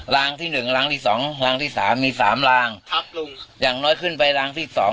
รางที่หนึ่งรางที่สองรางที่สามมีสามรางทับลงอย่างน้อยขึ้นไปรางที่สอง